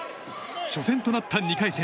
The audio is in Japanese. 初戦となった２回戦。